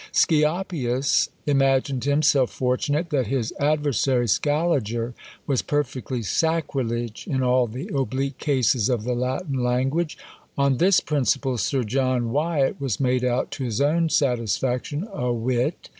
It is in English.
Scioppius imagined himself fortunate that his adversary Scaliger was perfectly Sacrilege in all the oblique cases of the Latin language; on this principle Sir John Wiat was made out, to his own satisfaction a wit.